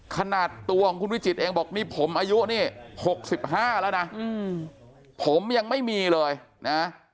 ขนาดตัวของคุณวิจิตเองบอกนี่ผมอายุนี่๖๕แล้วนะผมยังไม่มีเลยนะ